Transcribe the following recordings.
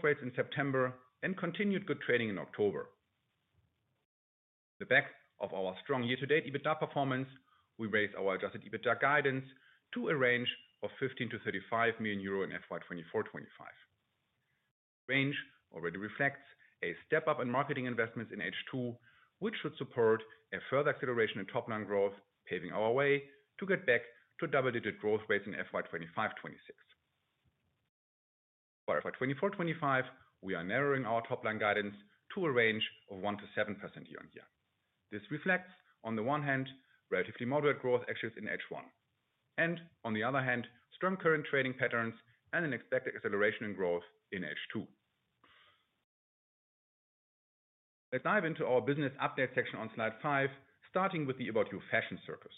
growth rates in September and continued good trading in October. On the back of our strong year-to-date EBITDA performance, we raised our Adjusted EBITDA guidance to a range of 15-35 million euro in FY 2024/25. The range already reflects a step up in marketing investments in H2, which should support a further acceleration in top line growth, paving our way to get back to double-digit growth rates in FY 2025-2026. For FY 2024- 2025, we are narrowing our top line guidance to a range of 1%-7% year on year. This reflects, on the one hand, relatively moderate growth actions in H1, and on the other hand, strong current trading patterns and an expected acceleration in growth in H2. Let's dive into our business update section on Slide 5, starting with the ABOUT YOU Fashion Circus.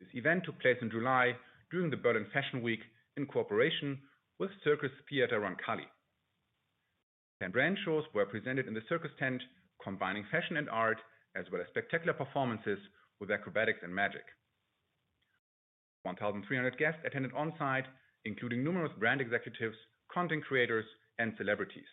This event took place in July during the Berlin Fashion Week in cooperation with Circus-Theater Roncalli. 10 brand shows were presented in the circus tent, combining fashion and art, as well as spectacular performances with acrobatics and magic. 1,300 guests attended on-site, including numerous brand executives, content creators, and celebrities.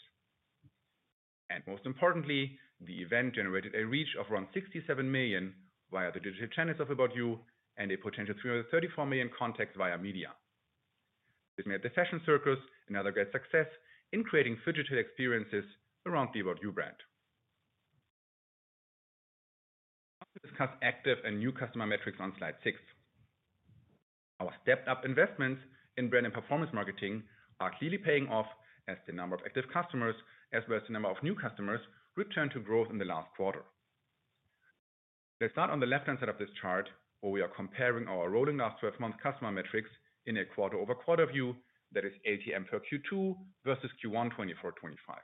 Most importantly, the event generated a reach of around 67 million via the digital channels of ABOUT YOU and a potential 334 million contacts via media. This made the Fashion Circus another great success in creating phygital experiences around the ABOUT YOU brand. Let's discuss active and new customer metrics on Slide 6. Our stepped-up investments in brand and performance marketing are clearly paying off, as the number of active customers, as well as the number of new customers, returned to growth in the last quarter. Let's start on the left-hand side of this chart, where we are comparing our rolling last twelve-month customer metrics in a quarter-over-quarter view that is LTM per Q2 versus Q1 2024, 2025.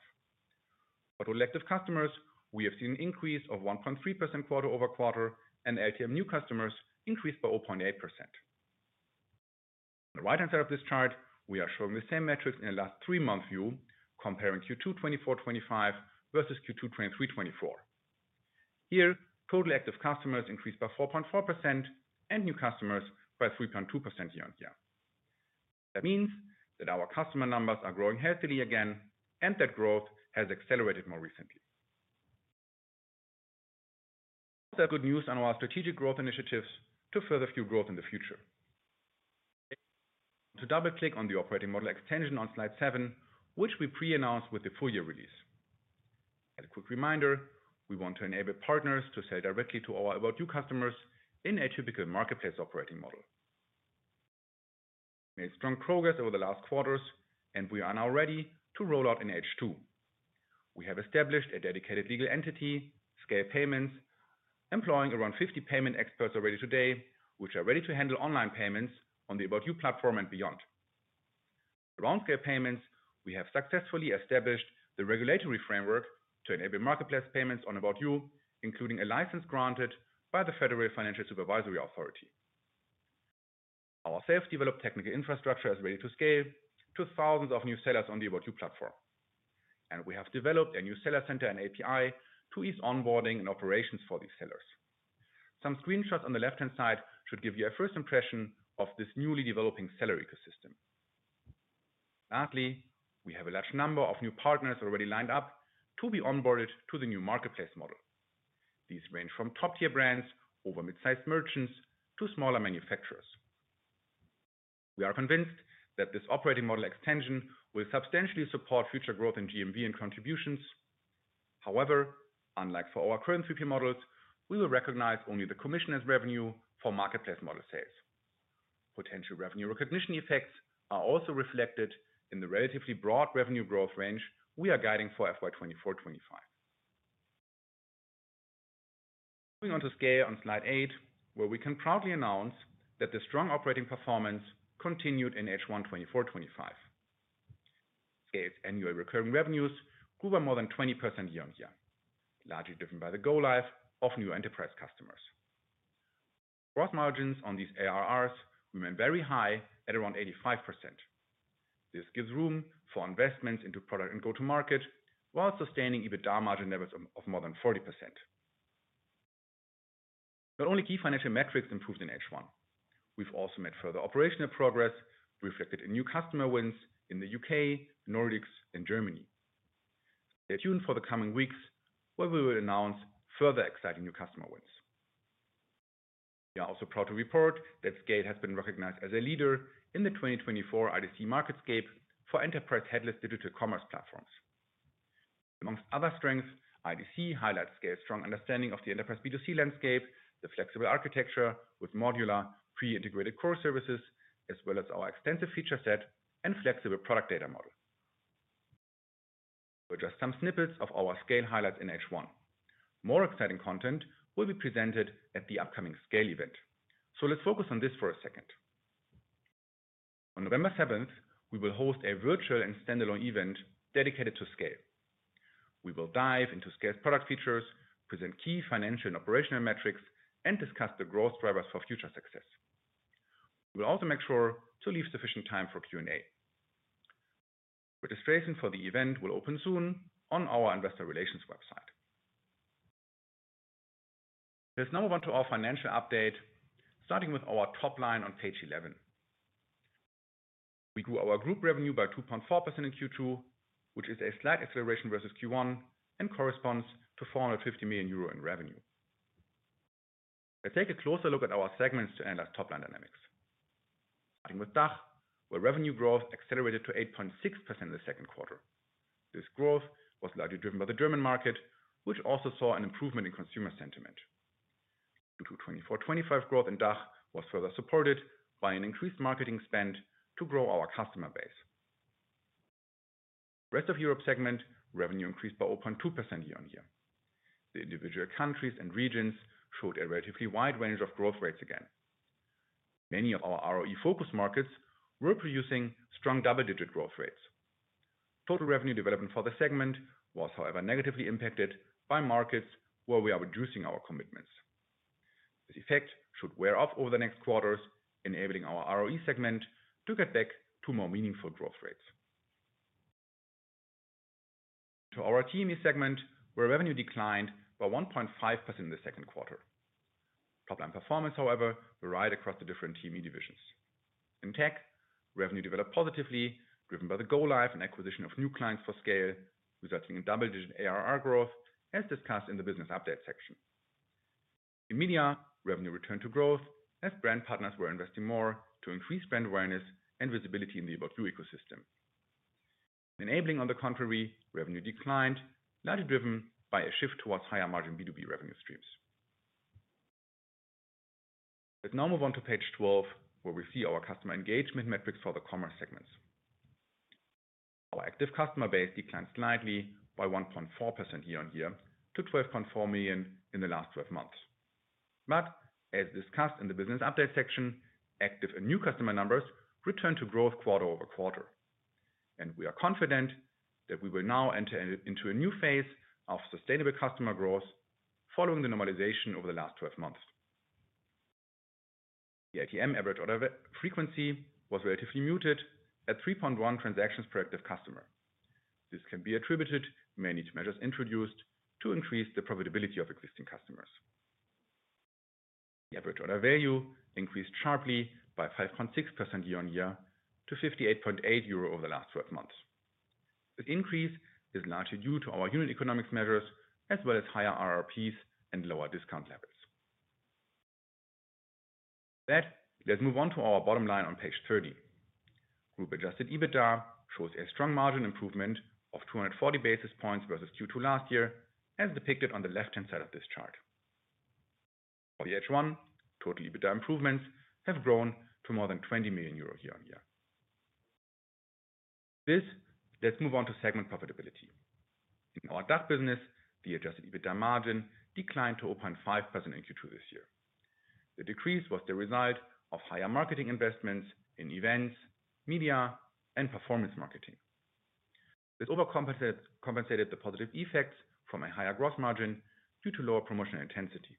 For total active customers, we have seen an increase of 1.3% quarter over quarter, and LTM new customers increased by 0.8%. On the right-hand side of this chart, we are showing the same metrics in the last three-month view, comparing Q2 2024, 2025 versus Q2 2023, 2024. Here, total active customers increased by 4.4% and new customers by 3.2% year on year. That means that our customer numbers are growing healthily again, and that growth has accelerated more recently. There are good news on our strategic growth initiatives to further fuel growth in the future. To double-click on the operating model extension on Slide 7, which we pre-announced with the full year release. As a quick reminder, we want to enable partners to sell directly to our ABOUT YOU customers in a typical marketplace operating model. Made strong progress over the last quarters, and we are now ready to roll out in H2. We have established a dedicated legal entity, SCAYLE Payments, employing around fifty payment experts already today, which are ready to handle online payments on the ABOUT YOU platform and beyond. Around SCAYLE Payments, we have successfully established the regulatory framework to enable marketplace payments on ABOUT YOU, including a license granted by the Federal Financial Supervisory Authority. Our self-developed technical infrastructure is ready to SCAYLE to thousands of new sellers on the ABOUT YOU platform, and we have developed a new seller center and API to ease onboarding and operations for these sellers. Some screenshots on the left-hand side should give you a first impression of this newly developing seller ecosystem. Lastly, we have a large number of new partners already lined up to be onboarded to the new marketplace model. These range from top-tier brands over mid-sized merchants to smaller manufacturers. We are convinced that this operating model extension will substantially support future growth in GMV and contributions. However, unlike for our current 1P models, we will recognize only the commission as revenue for marketplace model sales. Potential revenue recognition effects are also reflected in the relatively broad revenue growth range we are guiding for FY 2024-2025. Moving on to SCAYLE on Slide 8, where we can proudly announce that the strong operating performance continued in H1 2024/25. SCAYLE's annual recurring revenues grew by more than 20% year on year, largely driven by the go-live of new enterprise customers. Gross margins on these ARRs remain very high at around 85%. This gives room for investments into product and go-to-market, while sustaining EBITDA margin levels of more than 40%. Not only key financial metrics improved in H1. We've also made further operational progress, reflected in new customer wins in the U.K., Nordics, and Germany. Stay tuned for the coming weeks, where we will announce further exciting new customer wins. We are also proud to report that SCAYLE has been recognized as a leader in the 2024 IDC MarketScape for enterprise headless digital commerce platforms. Among other strengths, IDC highlights SCAYLE's strong understanding of the enterprise B2C landscape, the flexible architecture with modular pre-integrated core services, as well as our extensive feature set and flexible product data model. We're just some snippets of our SCAYLE highlights in H1. More exciting content will be presented at the upcoming SCAYLE event. So let's focus on this for a second. On November 7th, we will host a virtual and standalone event dedicated to SCAYLE. We will dive into SCAYLE's product features, present key financial and operational metrics, and discuss the growth drivers for future success. We will also make sure to leave sufficient time for Q&A. Registration for the event will open soon on our investor relations website. Let's now move on to our financial update, starting with our top line on Page 11. We grew our group revenue by 2.4% in Q2, which is a slight acceleration versus Q1, and corresponds to 450 million euro in revenue. Let's take a closer look at our segments to understand our top line dynamics. Starting with DACH, where revenue growth accelerated to 8.6% in the second quarter. This growth was largely driven by the German market, which also saw an improvement in consumer sentiment. 2024, 2025 growth in DACH was further supported by an increased marketing spend to grow our customer base. Rest of Europe segment, revenue increased by 0.2% year-on-year. The individual countries and regions showed a relatively wide range of growth rates again. Many of our ROE focus markets were producing strong double-digit growth rates. Total revenue development for the segment was, however, negatively impacted by markets where we are reducing our commitments. This effect should wear off over the next quarters, enabling our ROE segment to get back to more meaningful growth rates. To our TME segment, where revenue declined by 1.5% in the second quarter. Top line performance, however, varied across the different TME divisions. In tech, revenue developed positively, driven by the go live and acquisition of new clients for SCAYLE, resulting in double-digit ARR growth, as discussed in the business update section. In media, revenue returned to growth as brand partners were investing more to increase brand awareness and visibility in the ABOUT YOU ecosystem. Enabling, on the contrary, revenue declined, largely driven by a shift towards higher margin B2B revenue streams. Let's now move on to page twelve, where we see our customer engagement metrics for the commerce segments. Our active customer base declined slightly by 1.4% year-on-year, to 12.4 million in the last twelve months. But as discussed in the business update section, active and new customer numbers returned to growth quarter over quarter. And we are confident that we will now enter into a new phase of sustainable customer growth following the normalization over the last twelve months. The LTM average order frequency was relatively muted at 3.1 transactions per active customer. This can be attributed to many measures introduced to increase the profitability of existing customers. The average order value increased sharply by 5.6% year-on-year to 58.8 euro over the last twelve months. This increase is largely due to our unit economics measures, as well as higher RRPs and lower discount levels. With that, let's move on to our bottom line on Page 30. Group Adjusted EBITDA shows a strong margin improvement of two hundred and forty basis points versus Q2 last year, as depicted on the left-hand side of this chart. For the H1, total EBITDA improvements have grown to more than 20 million euros year-on-year. With this, let's move on to segment profitability. In our DACH business, the Adjusted EBITDA margin declined to 0.5% in Q2 this year. The decrease was the result of higher marketing investments in events, media, and performance marketing. This overcompensated the positive effects from a higher gross margin due to lower promotional intensity.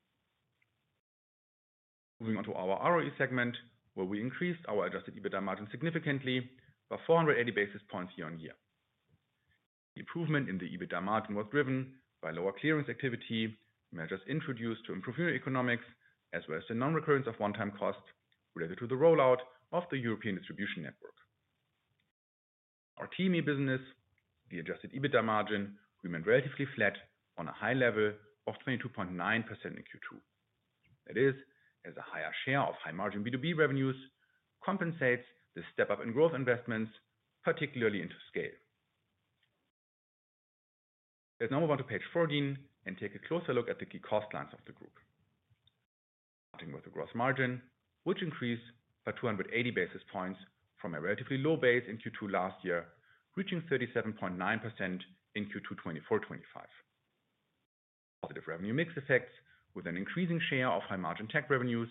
Moving on to our ROE segment, where we increased our Adjusted EBITDA margin significantly by 480 basis points year-on-year. Improvement in the EBITDA margin was driven by lower clearance activity, measures introduced to improve economics, as well as the non-recurrence of one-time costs related to the rollout of the European distribution network. Our TME business, the Adjusted EBITDA margin remained relatively flat on a high level of 22.9% in Q2. That is, as a higher share of high-margin B2B revenues compensates the step-up in growth investments, particularly into SCAYLE. Let's now move on to page 14 and take a closer look at the key cost lines of the group. Starting with the gross margin, which increased by 280 basis points from a relatively low base in Q2 last year, reaching 37.9% in Q2 2024, 2025. Positive revenue mix effects with an increasing share of high-margin tech revenues,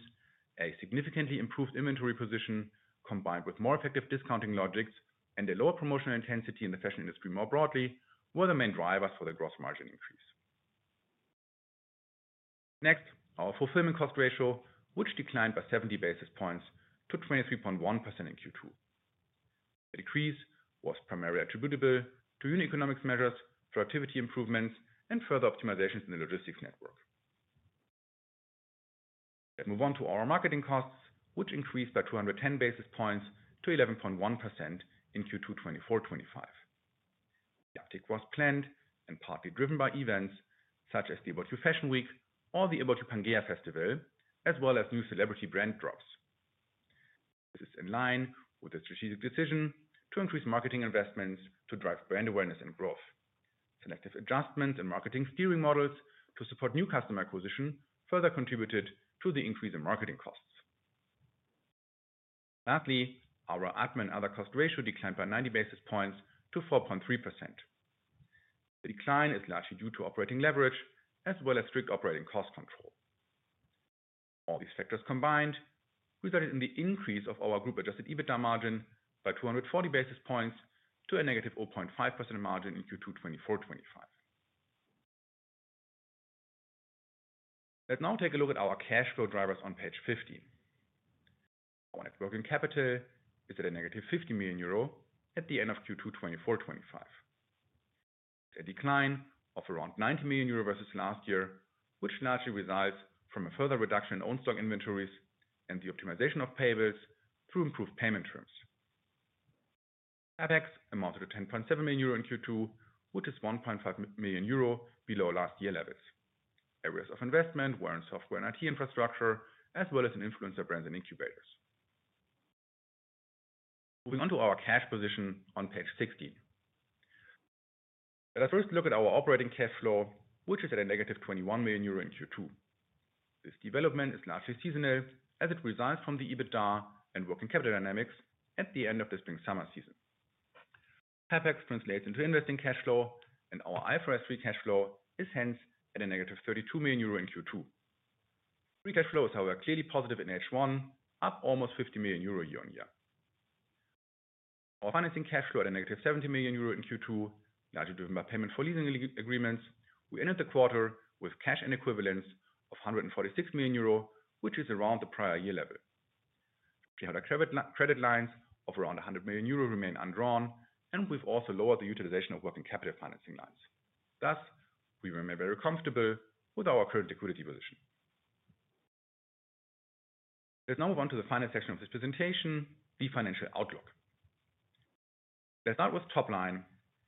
a significantly improved inventory position, combined with more effective discounting logics and a lower promotional intensity in the fashion industry more broadly, were the main drivers for the gross margin increase. Next, our fulfillment cost ratio, which declined by 70 basis points to 23.1% in Q2. The decrease was primarily attributable to unit economics measures, productivity improvements, and further optimizations in the logistics network. Let's move on to our marketing costs, which increased by 210 basis points to 11.1% in Q2 2024/25. The uptick was planned and partly driven by events such as the ABOUT YOU Fashion Week or the ABOUT YOU Pangea Festival, as well as new celebrity brand drops. This is in line with the strategic decision to increase marketing investments to drive brand awareness and growth. Selective adjustments and marketing steering models to support new customer acquisition further contributed to the increase in marketing costs. Lastly, our admin and other cost ratio declined by 90 basis points to 4.3%. The decline is largely due to operating leverage as well as strict operating cost control. All these factors combined, resulted in the increase of our group-Adjusted EBITDA margin by 240 basis points to a negative 0.5% margin in Q2 2024/25. Let's now take a look at our cash flow drivers on Page 15 net working capital is at a negative 50 million euro at the end of Q2 2024-2025. A decline of around 90 million euro versus last year, which largely arises from a further reduction in own stock inventories and the optimization of payables through improved payment terms. CapEx amounted to 10.7 million euro in Q2, which is 1.5 million euro below last year levels. Areas of investment were in software and IT infrastructure, as well as in influencer brands and incubators. Moving on to our cash position on page 16. Let us first look at our operating cash flow, which is at a negative 21 million euro in Q2. This development is largely seasonal, as it arises from the EBITDA and working capital dynamics at the end of the spring/summer season. CapEx translates into investing cash flow, and our IFRS free cash flow is hence at a negative 32 million euro in Q2. Free cash flow is, however, clearly positive in H1, up almost 50 million euro year-on-year. Our financing cash flow at a negative 70 million euro in Q2, largely driven by payment for leasing agreements. We ended the quarter with cash and equivalents of 146 million euro, which is around the prior year level. We had our credit lines of around 100 million euro remain undrawn, and we've also lowered the utilization of working capital financing lines. Thus, we remain very comfortable with our current liquidity position. Let's now move on to the final section of this presentation, the financial outlook. Let's start with top line,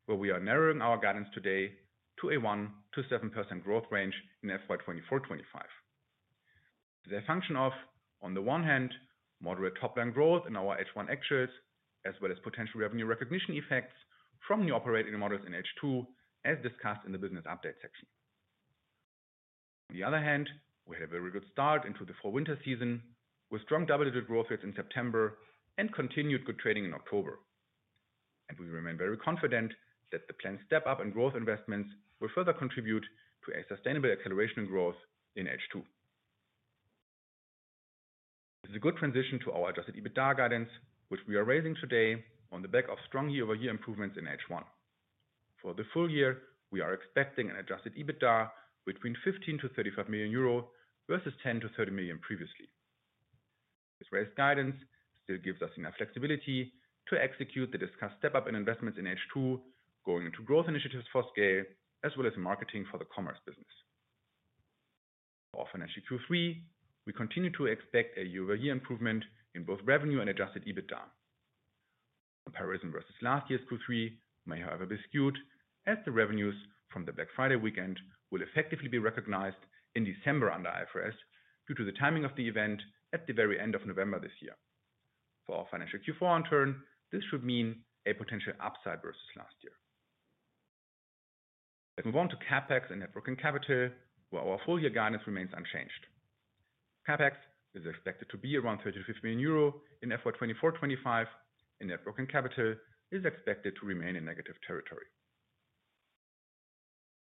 where we are narrowing our guidance today to a 1%-7% growth range in FY 2024-2025. The function of, on the one hand, moderate top line growth in our H1 actuals, as well as potential revenue recognition effects from the operating models in H2, as discussed in the business update section. On the other hand, we had a very good start into the fall/winter season, with strong double-digit growth rates in September and continued good trading in October. We remain very confident that the planned step up in growth investments will further contribute to a sustainable acceleration growth in H2. This is a good transition to our Adjusted EBITDA guidance, which we are raising today on the back of strong year-over-year improvements in H1. For the full year, we are expecting an Adjusted EBITDA between 15-35 million euros EUR versus 10-30 million previously. This raised guidance still gives us enough flexibility to execute the discussed step up in investments in H2, going into growth initiatives for SCAYLE, as well as marketing for the commerce business. For financial Q3, we continue to expect a year-over-year improvement in both revenue and Adjusted EBITDA. Comparison versus last year's Q3 may, however, be skewed, as the revenues from the Black Friday weekend will effectively be recognized in December under IFRS, due to the timing of the event at the very end of November this year. For our financial Q4 in turn, this should mean a potential upside versus last year. If we move on to CapEx and net working capital, well, our full year guidance remains unchanged. CapEx is expected to be around 30-50 million euro in FY 2024-2025, and net working capital is expected to remain in negative territory.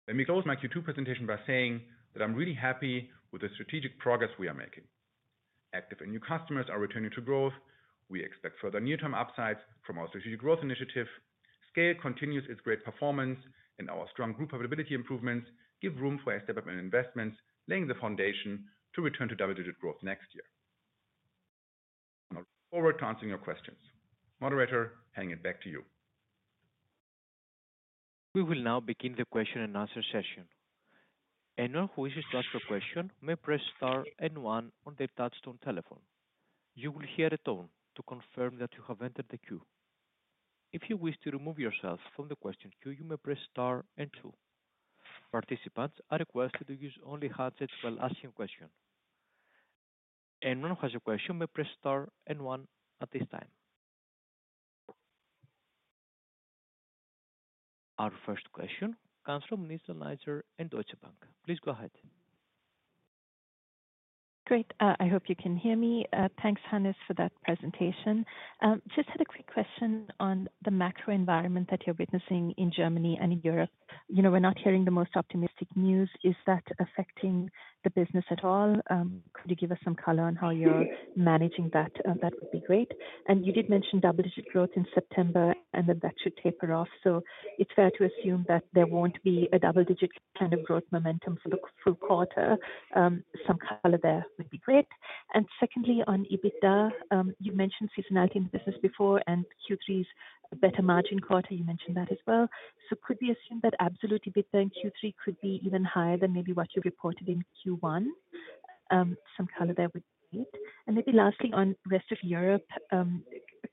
Let me close my Q2 presentation by saying that I'm really happy with the strategic progress we are making. Active and new customers are returning to growth. We expect further near-term upsides from our strategic growth initiative. SCAYLE continues its great performance, and our strong group availability improvements give room for a step up in investments, laying the foundation to return to double-digit growth next year. I look forward to answering your questions. Moderator, handing it back to you. We will now begin the question and answer session. Anyone who wishes to ask a question may press star and one on their touchtone telephone. You will hear a tone to confirm that you have entered the queue. If you wish to remove yourself from the question queue, you may press star and two. Participants are requested to use only headsets while asking a question. Anyone who has a question may press star and one at this time. Our first question comes from Nizla Naizer and Deutsche Bank. Please go ahead. Great. I hope you can hear me. Thanks, Hannes, for that presentation. Just had a quick question on the macro environment that you're witnessing in Germany and in Europe. You know, we're not hearing the most optimistic news. Is that affecting the business at all? Could you give us some color on how you're managing that? That would be great. And you did mention double-digit growth in September and that that should taper off. So it's fair to assume that there won't be a double-digit kind of growth momentum for the full quarter. Some color there would be great. And secondly, on EBITDA, you mentioned seasonality in the business before, and Q3's better margin quarter, you mentioned that as well. So could we assume that absolute EBITDA in Q3 could be even higher than maybe what you reported in Q1? Some color there would be great. And maybe lastly, on Rest of Europe,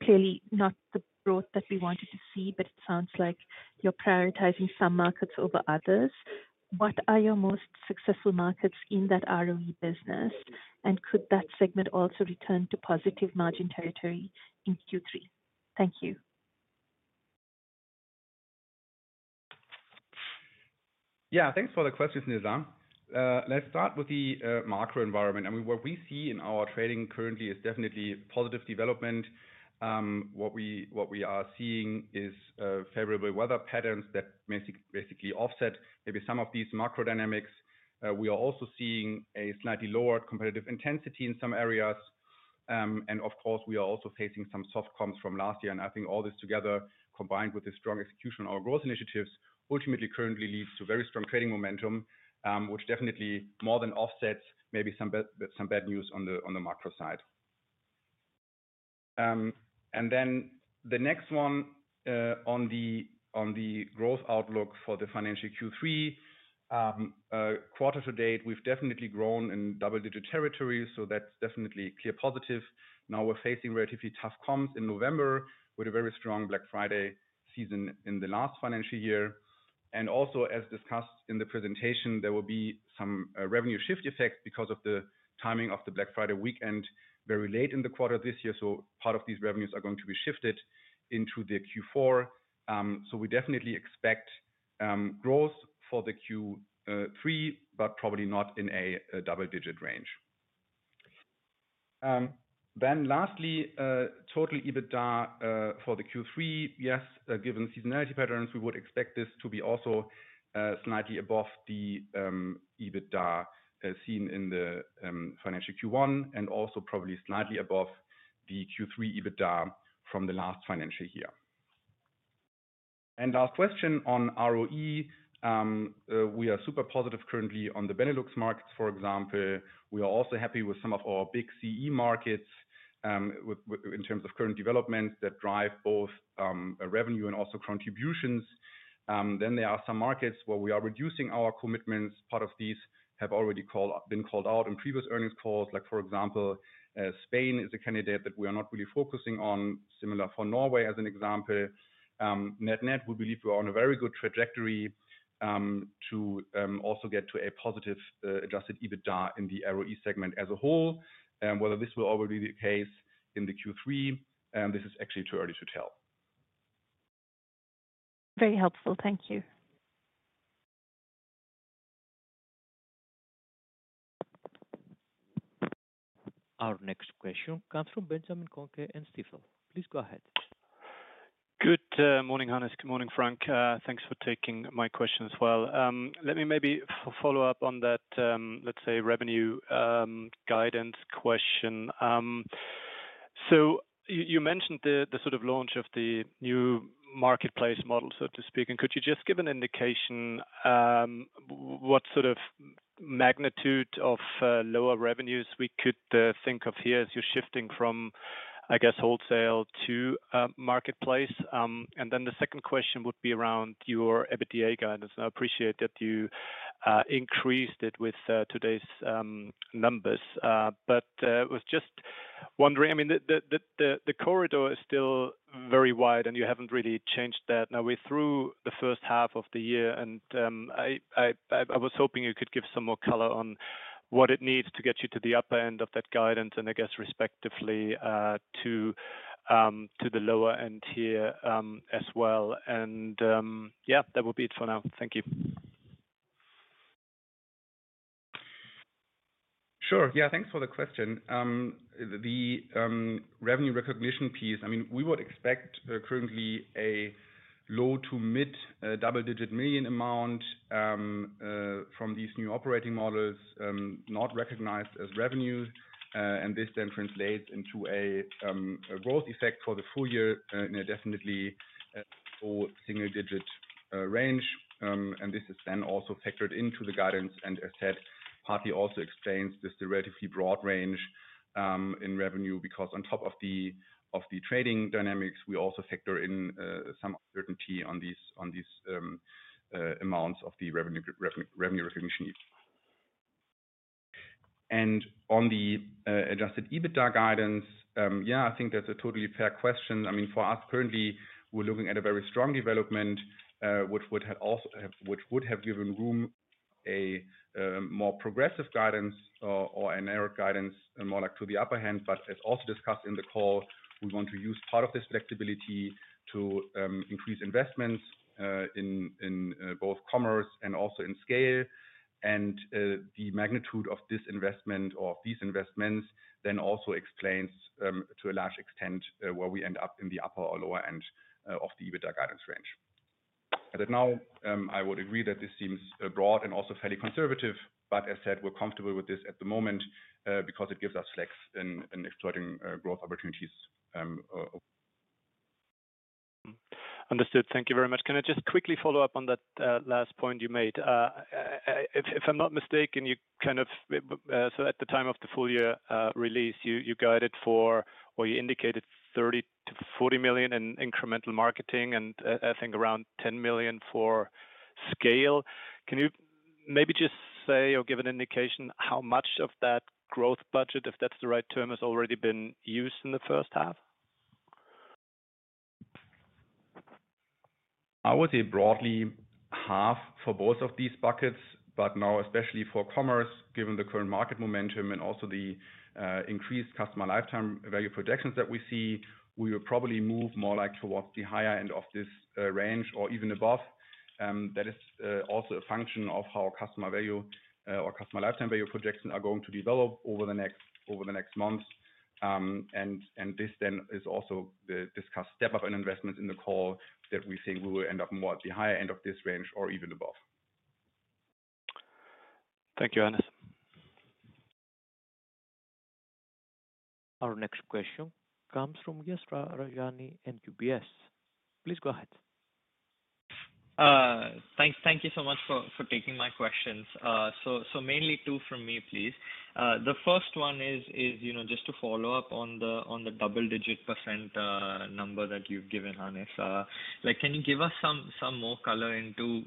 clearly not the growth that we wanted to see, but it sounds like you're prioritizing some markets over others. What are your most successful markets in that ROE business, and could that segment also return to positive margin territory in Q3? Thank you. Yeah, thanks for the questions, Nizla. Let's start with the macro environment. I mean, what we see in our trading currently is definitely positive development. What we are seeing is favorable weather patterns that basically offset maybe some of these macro dynamics. We are also seeing a slightly lower competitive intensity in some areas. And of course, we are also facing some soft comps from last year. And I think all this together, combined with the strong execution of our growth initiatives, ultimately currently leads to very strong trading momentum, which definitely more than offsets maybe some bad news on the macro side. And then the next one, on the growth outlook for the financial Q3 quarter to date, we've definitely grown in double-digit territory, so that's definitely clear positive. Now we're facing relatively tough comps in November with a very strong Black Friday season in the last financial year. And also, as discussed in the presentation, there will be some revenue shift effect because of the timing of the Black Friday weekend, very late in the quarter this year, so part of these revenues are going to be shifted into the Q4. So we definitely expect growth for the Q3, but probably not in a double-digit range. Then lastly, total EBITDA for the Q3, yes, given seasonality patterns, we would expect this to be also slightly above the EBITDA seen in the financial Q1, and also probably slightly above the Q3 EBITDA from the last financial year. Last question on ROE, we are super positive currently on the Benelux markets, for example. We are also happy with some of our big CE markets in terms of current developments that drive both revenue and also contributions. Then there are some markets where we are reducing our commitments. Part of these have already been called out in previous earnings calls, like for example, Spain is a candidate that we are not really focusing on, similar for Norway as an example. Net net, we believe we're on a very good trajectory to also get to a positive Adjusted EBITDA in the ROE segment as a whole. Whether this will already be the case in the Q3, this is actually too early to tell. Very helpful. Thank you. Our next question comes from Benjamin Kohnke in Stifel. Please go ahead. Good morning, Hannes. Good morning, Frank. Thanks for taking my question as well. Let me maybe follow up on that, let's say, revenue guidance question. So you mentioned the sort of launch of the new marketplace model, so to speak, and could you just give an indication what sort of magnitude of lower revenues we could think of here as you're shifting from, I guess, wholesale to marketplace? And then the second question would be around your EBITDA guidance. I appreciate that you increased it with today's numbers. But was just wondering, I mean, the corridor is still very wide and you haven't really changed that. Now, we're through the first half of the year and, I was hoping you could give some more color on what it needs to get you to the upper end of that guidance, and I guess respectively, to the lower end tier, as well, and yeah, that will be it for now. Thank you. Sure. Yeah, thanks for the question. The revenue recognition piece, I mean, we would expect currently a low-to-mid double-digit million amount from these new operating models, not recognized as revenue. And this then translates into a growth effect for the full year in a definitely low single-digit range. And this is then also factored into the guidance, and as said, partly also explains this relatively broad range in revenue, because on top of the trading dynamics, we also factor in some uncertainty on these amounts of the revenue recognition. And on the Adjusted EBITDA guidance, yeah, I think that's a totally fair question. I mean, for us, currently, we're looking at a very strong development, which would have also given room for a more progressive guidance or a narrow guidance, and more likely to the upper end, but as also discussed in the call, we want to use part of this flexibility to increase investments in both commerce and also in SCAYLE and the magnitude of this investment or these investments then also explains to a large extent where we end up in the upper or lower end of the EBITDA guidance range, but now I would agree that this seems broad and also fairly conservative, but as said, we're comfortable with this at the moment because it gives us flex in exploiting growth opportunities. Understood. Thank you very much. Can I just quickly follow up on that last point you made? If I'm not mistaken, you kind of... So at the time of the full year release, you guided for or you indicated 30-40 million in incremental marketing and I think around 10 million for SCAYLE. Can you maybe just say or give an indication how much of that growth budget, if that's the right term, has already been used in the first half? I would say broadly, half for both of these buckets, but now, especially for commerce, given the current market momentum and also the increased customer lifetime value projections that we see, we will probably move more like towards the higher end of this range or even above. That is also a function of how customer value or customer lifetime value projections are going to develop over the next months. And this then is also the discussed step up in investment in the call, that we think we will end up more at the higher end of this range or even above. Thank you, Hannes. Our next question comes from Yashraj Rajani in UBS. Please go ahead. Thank you so much for taking my questions. So mainly two from me, please. The first one is, you know, just to follow up on the double digit percent number that you've given us, like, can you give us some more color into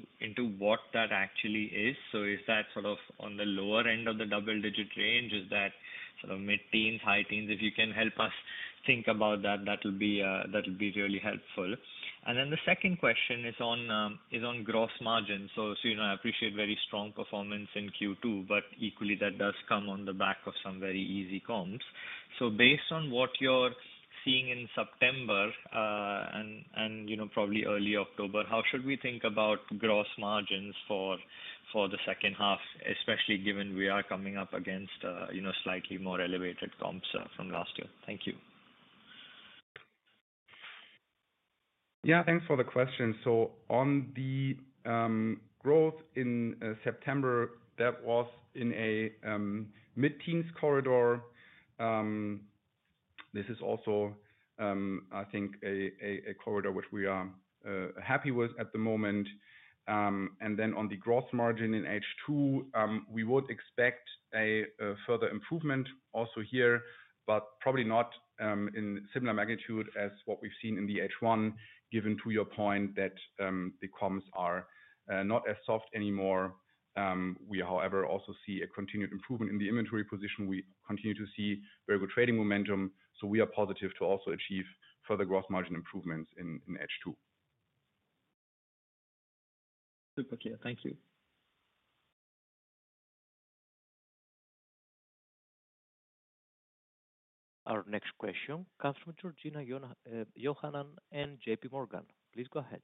what that actually is? So is that sort of on the lower end of the double digit range? Is that sort of mid-teens, high teens? If you can help us think about that, that would be really helpful, and then the second question is on gross margin, so you know, I appreciate very strong performance in Q2, but equally, that does come on the back of some very easy comps. So based on what you're seeing in September, and you know, probably early October, how should we think about gross margins for the second half, especially given we are coming up against you know, slightly more elevated comps from last year? Thank you. Yeah, thanks for the question. So on the growth in September, that was in a mid-teens corridor. This is also, I think, a corridor which we are happy with at the moment. Then on the gross margin in H2, we would expect a further improvement also here, but probably not in similar magnitude as what we've seen in the H1, given to your point that the comps are not as soft anymore. We, however, also see a continued improvement in the inventory position. We continue to see very good trading momentum, so we are positive to also achieve further gross margin improvements in H2. Super clear. Thank you. Our next question comes from Georgina Johanan and JPMorgan. Please go ahead.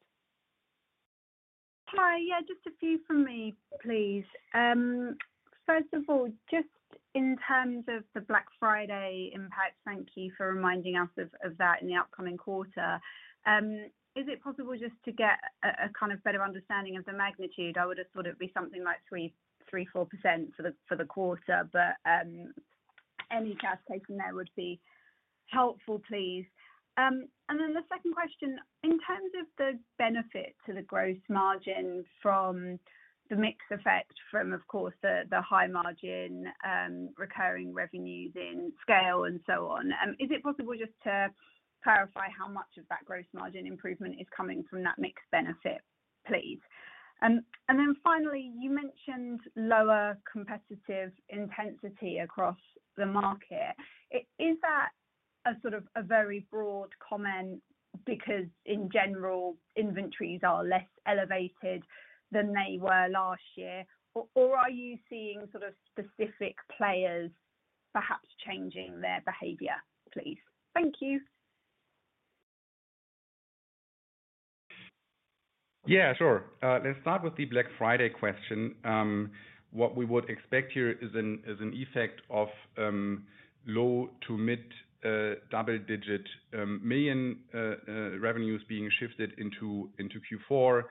Hi. Yeah, just a few from me, please. First of all, just in terms of the Black Friday impact, thank you for reminding us of that in the upcoming quarter. Is it possible just to get a kind of better understanding of the magnitude? I would have thought it'd be something like 3%-4% for the quarter, but any clarification there would be helpful, please. And then the second question, in terms of the benefit to the gross margin from the mix effect, of course, the high margin recurring revenues in SCAYLE and so on, is it possible just to clarify how much of that gross margin improvement is coming from that mix benefit, please? And then finally, you mentioned lower competitive intensity across the market. Is that a sort of a very broad comment because in general, inventories are less elevated than they were last year? Or are you seeing sort of specific players perhaps changing their behavior, please? Thank you. Yeah, sure. Let's start with the Black Friday question. What we would expect here is an effect of low to mid double digit million revenues being shifted into Q4.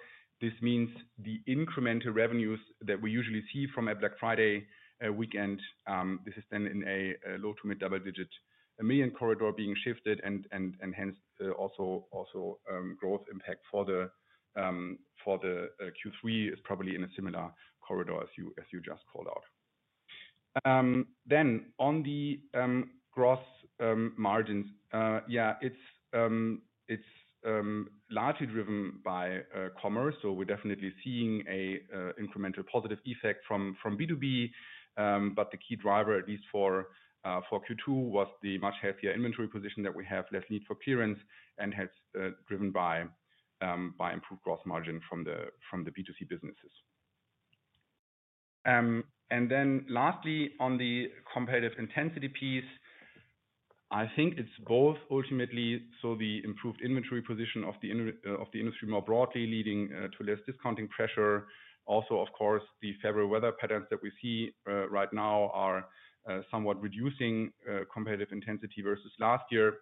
This means the incremental revenues that we usually see from a Black Friday weekend. This is then in a low to mid double digit million corridor being shifted and hence also growth impact for the Q3 is probably in a similar corridor as you just called out. Then on the gross margins, yeah, it's largely driven by commerce, so we're definitely seeing an incremental positive effect from B2B. But the key driver, at least for Q2, was the much healthier inventory position that we have, less need for clearance and has driven by improved gross margin from the B2C businesses, and then lastly, on the competitive intensity piece, I think it's both ultimately, so the improved inventory position of the industry more broadly, leading to less discounting pressure. Also, of course, the February weather patterns that we see right now are somewhat reducing competitive intensity versus last year,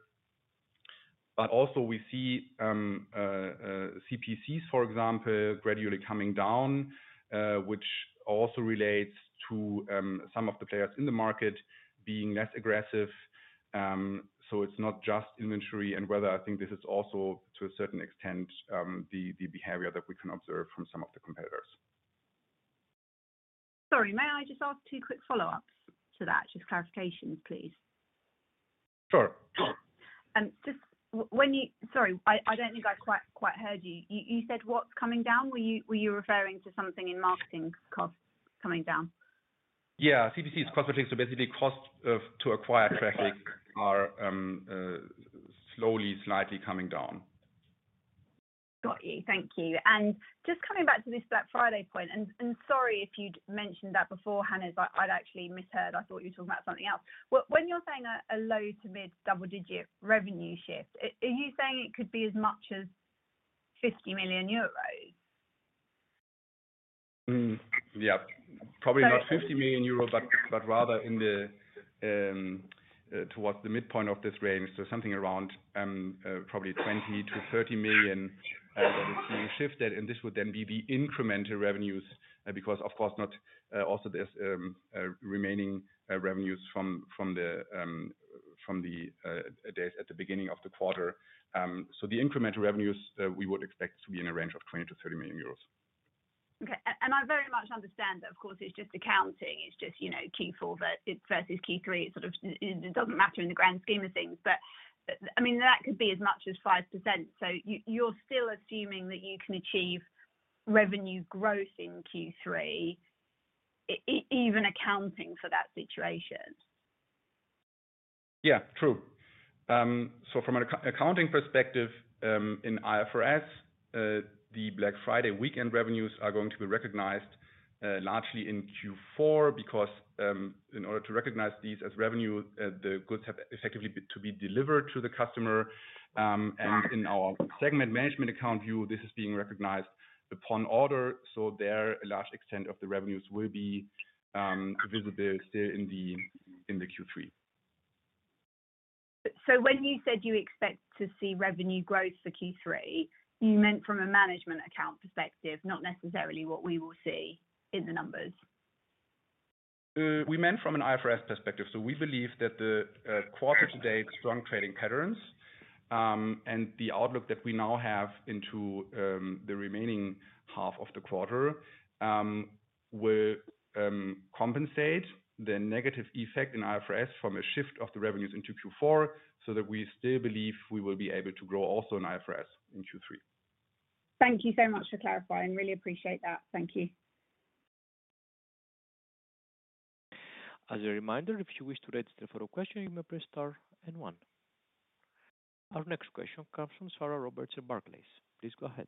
but also we see CPCs, for example, gradually coming down, which also relates to some of the players in the market being less aggressive. So, it's not just inventory and weather, I think this is also, to a certain extent, the behavior that we can observe from some of the competitors. Sorry, may I just ask two quick follow-ups to that? Just clarifications, please. Sure, sure. Just, when you... Sorry, I don't think I quite heard you. You said what's coming down? Were you referring to something in marketing costs coming down? Yeah. CPC is cost, so basically cost of, to acquire traffic are slowly, slightly coming down. Got you. Thank you, and just coming back to this Black Friday point, and sorry if you'd mentioned that beforehand, I’d actually misheard. I thought you were talking about something else. When you're saying a low to mid double digit revenue shift, are you saying it could be as much as 50 million euros? Yeah. So- Probably not 50 million euros, but rather in the towards the midpoint of this range, so something around probably 20-30 million that is being shifted, and this would then be the incremental revenues, because, of course not, also there's remaining revenues from the days at the beginning of the quarter. So the incremental revenues we would expect to be in a range of 20-30 million euros. Okay. And I very much understand that, of course, it's just accounting. It's just, you know, Q4 versus Q3. It sort of doesn't matter in the grand scheme of things, but, I mean, that could be as much as 5%, so you're still assuming that you can achieve revenue growth in Q3, even accounting for that situation? Yeah, true. So from an accounting perspective, in IFRS, the Black Friday weekend revenues are going to be recognized largely in Q4, because in order to recognize these as revenue, the goods have effectively to be delivered to the customer. And in our segment management account view, this is being recognized upon order, so there, a large extent of the revenues will be visible still in the Q3. So when you said you expect to see revenue growth for Q3, you meant from a management account perspective, not necessarily what we will see in the numbers? We meant from an IFRS perspective. So we believe that the quarter-to-date strong trading patterns and the outlook that we now have into the remaining half of the quarter will compensate the negative effect in IFRS from a shift of the revenues into Q4, so that we still believe we will be able to grow also in IFRS in Q3. Thank you so much for clarifying. Really appreciate that. Thank you. As a reminder, if you wish to register for a question, you may press star and one. Our next question comes from Sarah Roberts at Barclays. Please go ahead.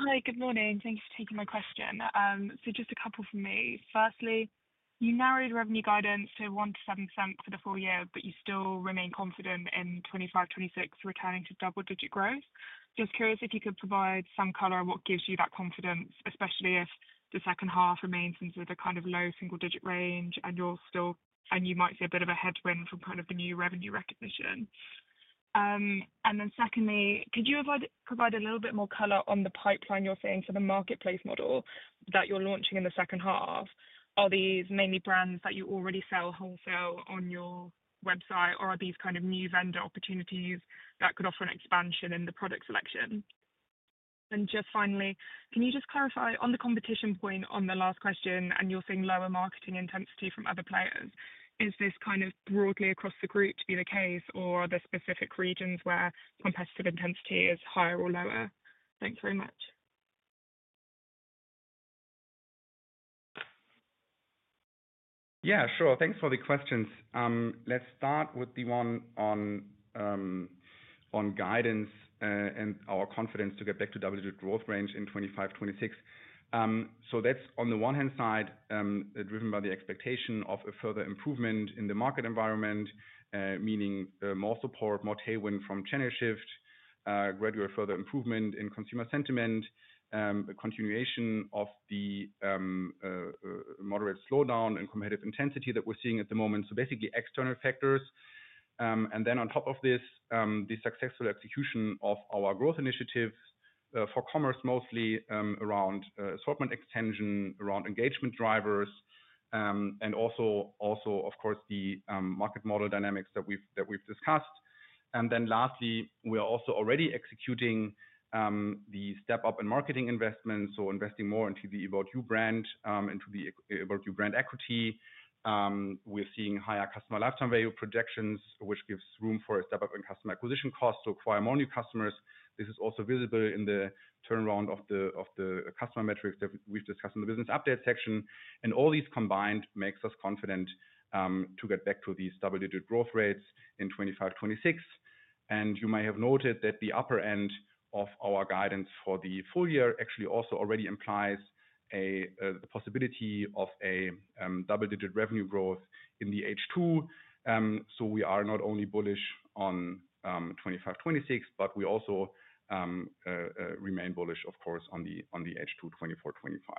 Hi, good morning. Thank you for taking my question. So just a couple from me. Firstly, you narrowed revenue guidance to 1%-7% for the full year, but you still remain confident in 2025, 2026 returning to double-digit growth. Just curious if you could provide some color on what gives you that confidence, especially if the second half remains into the kind of low single digit range, and you might see a bit of a headwind from kind of the new revenue recognition? And then secondly, could you provide a little bit more color on the pipeline you're seeing for the marketplace model that you're launching in the second half? Are these mainly brands that you already sell wholesale on your website, or are these kind of new vendor opportunities that could offer an expansion in the product selection? Just finally, can you just clarify on the competition point on the last question, and you're seeing lower marketing intensity from other players, is this kind of broadly across the group to be the case, or are there specific regions where competitive intensity is higher or lower? Thanks very much. Yeah, sure. Thanks for the questions. Let's start with the one on guidance and our confidence to get back to double-digit growth range in 2025, 2026. So that's on the one hand side, driven by the expectation of a further improvement in the market environment, meaning more support, more tailwind from channel shift, gradual further improvement in consumer sentiment, a continuation of the moderate slowdown and competitive intensity that we're seeing at the moment. So basically, external factors. And then on top of this, the successful execution of our growth initiatives for commerce, mostly around assortment extension, around engagement drivers, and also, of course, the market model dynamics that we've discussed. And then lastly, we are also already executing the step up in marketing investments, so investing more into the ABOUT YOU brand, into the ABOUT YOU brand equity. We're seeing higher customer lifetime value projections, which gives room for a step up in customer acquisition costs to acquire more new customers. This is also visible in the turnaround of the customer metrics that we've discussed in the business update section. And all these combined makes us confident to get back to these double-digit growth rates in 2025, 2026. And you may have noted that the upper end of our guidance for the full year actually also already implies the possibility of a double-digit revenue growth in the H2. So we are not only bullish on 2025, 2026, but we also remain bullish, of course, on the H2 2024, 2025.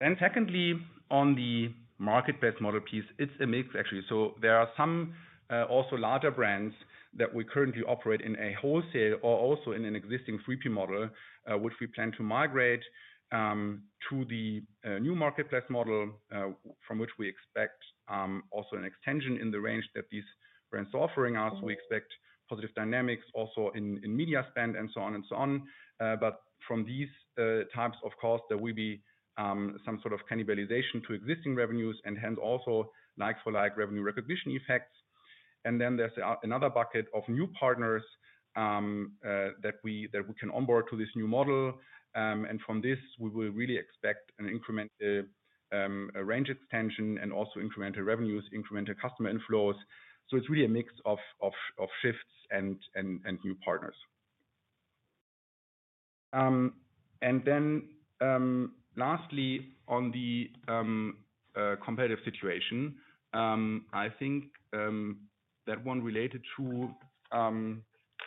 Then secondly, on the marketplace model piece, it's a mix actually. So there are some also larger brands that we currently operate in a wholesale or also in an existing three-tier model, which we plan to migrate to the new marketplace model, from which we expect also an extension in the range that these brands are offering us. We expect positive dynamics also in media spend and so on. But from these types of costs, there will be some sort of cannibalization to existing revenues and hence also like-for-like revenue recognition effects. And then there's another bucket of new partners that we can onboard to this new model, and from this, we will really expect an incremental a range extension and also incremental revenues, incremental customer inflows. So it's really a mix of shifts and new partners. And then lastly, on the competitive situation, I think that one related to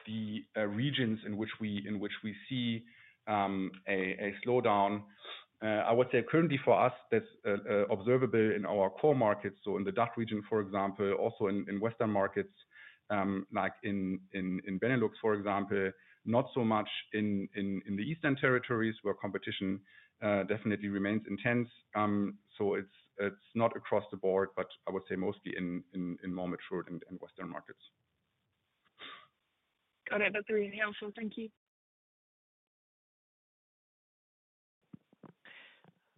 the regions in which we see a slowdown. I would say currently for us, that's observable in our core markets, so in the DACH region, for example, also in Western markets like in Benelux, for example, not so much in the Eastern territories, where competition definitely remains intense. So it's not across the board, but I would say mostly in more mature and Western markets. Got it. That's really helpful. Thank you.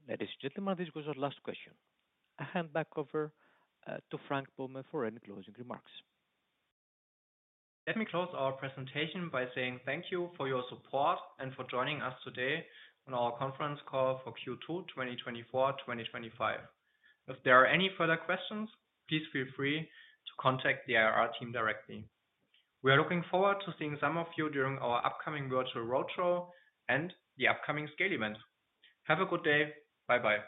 Ladies and gentlemen, this was our last question. I hand back over to Frank Böhme for any closing remarks. Let me close our presentation by saying thank you for your support and for joining us today on our conference call for Q2 2024, 2025. If there are any further questions, please feel free to contact the IR team directly. We are looking forward to seeing some of you during our upcoming virtual roadshow and the upcoming SCAYLE event. Have a good day. Bye-bye.